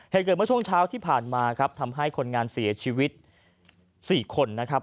เหตุเกิดเมื่อช่วงเช้าที่ผ่านมาครับทำให้คนงานเสียชีวิต๔คนนะครับ